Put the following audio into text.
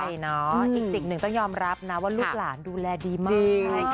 ใช่เนาะอีกสิ่งหนึ่งต้องยอมรับนะว่าลูกหลานดูแลดีมาก